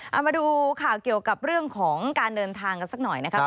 เอามาดูข่าวเกี่ยวกับเรื่องของการเดินทางกันสักหน่อยนะครับ